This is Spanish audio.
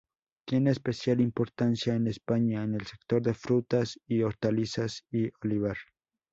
Tiene especial importancia en España en el sector de frutas y hortalizas y olivar.